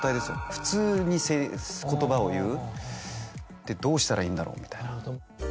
普通に言葉を言うってどうしたらいいんだろう？みたいな。